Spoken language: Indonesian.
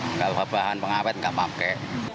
enggak berbahan pengawet enggak pakai